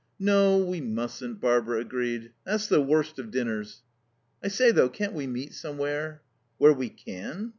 "No, we mustn't," Barbara agreed. "That's the worst of dinners." "I say, though, can't we meet somewhere?" "Where we _can?